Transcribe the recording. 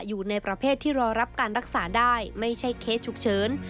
อยู่ในประเภทที่รอรับการรักษาได้ไม่ใช่เคสฉุกเฉิน